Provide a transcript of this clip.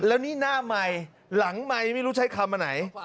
แล้วนี่หน้าใหม่หลังไมค์ไม่รู้ใช้คำอันไหน